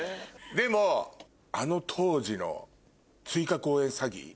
でもあの当時の追加公演詐欺。